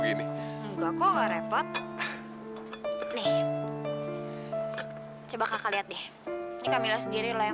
gini enggak kok repot nih coba kakak lihat deh ini camillah sendiri loh yang